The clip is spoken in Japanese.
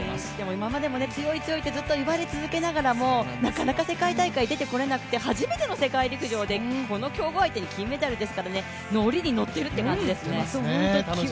今までも強い強いってずっと言われ続けながらも、なかなか世界大会出てこれなくて初めての世界陸上でこの強豪相手に金メダルですから、乗りに乗ってるって感じですね。